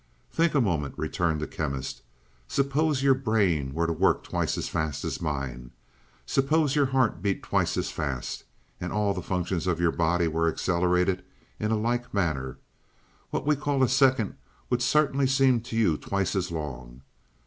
"Think a moment," returned the Chemist. "Suppose your brain were to work twice as fast as mine. Suppose your heart beat twice as fast, and all the functions of your body were accelerated in a like manner. What we call a second would certainly seem to you twice as long.